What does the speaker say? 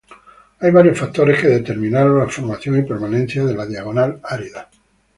Hay varios factores que determinaron la formación y permanencia de la diagonal árida.